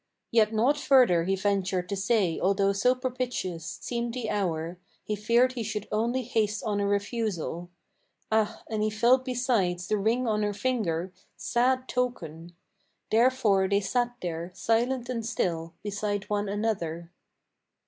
Yet naught further he ventured to say although so propitious Seemed the hour: he feared he should only haste on a refusal. Ah, and he felt besides the ring on her finger, sad token! Therefore they sat there, silent and still, beside one another.